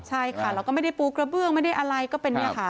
ใช่ค่ะแล้วก็ไม่ได้ปูกระเบื้องไม่ได้อะไรก็เป็นเนี่ยค่ะ